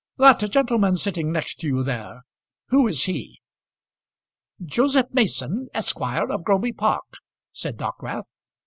That gentleman sitting next to you there, who is he?" "Joseph Mason, Esquire, of Groby Park," said Dockwrath.